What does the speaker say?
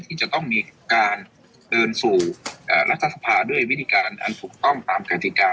ที่จะต้องมีการเดินสู่รัฐสภาด้วยวิธีการอันถูกต้องตามกฎิกา